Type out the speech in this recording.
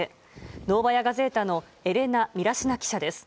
ノーヴァヤ・ガゼータのエレナ・ミラシナ記者です。